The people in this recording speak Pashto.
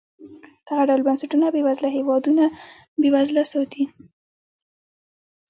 دغه ډول بنسټونه بېوزله هېوادونه بېوزله ساتي.